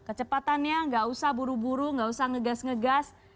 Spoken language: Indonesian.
kecepatannya tidak usah buru buru tidak usah ngegas ngegas